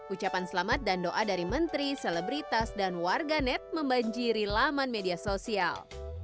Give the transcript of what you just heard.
ucapan selamat dan doa dari menteri selebritas dan warganet membanjiri laman media sosial